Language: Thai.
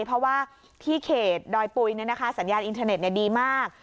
เพราะว่าที่เขตดอยปุ๋ยเนี่ยนะคะสัญญาณอินเทอร์เน็ตเนี่ยดีมาก